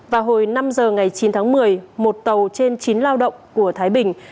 vào hồi năm giờ ngày chín tháng một mươi một tàu trên chín lao động của thái bình